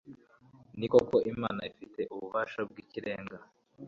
ni koko, imana ifite ububasha bw'ikirenga